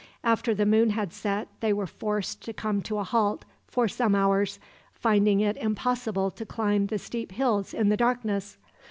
After the moon had set they were forced to come to a halt, for some hours, finding it impossible to climb the steep hills in the darkness.